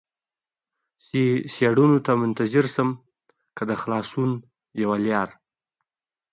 چې څېړنو ته منتظر شم، که د خلاصون یوه لار.